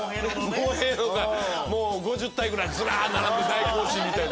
もへのとかもう５０体くらいずらっ並んで大行進みたいな。